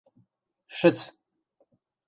Шӹц!..